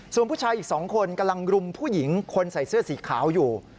ส่วนผู้ชายอีก๒คนกำลังรุมผู้หญิงคนใส่เสื้อสีขาวอยู่